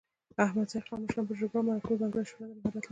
د احمدزي قوم مشران په جرګو او مرکو کې ځانګړی شهرت او مهارت لري.